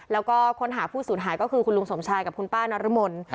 แล้วก็ค้นหาผู้สูญหายก็คือคุณลุงสมชายกับคุณป้านรมน